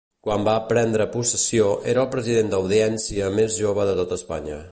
Quan va prendre possessió, era el president d'Audiència més jove de tot Espanya.